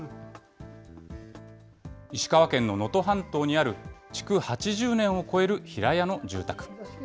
石川県の能登半島にある築８０年を超える平屋の住宅。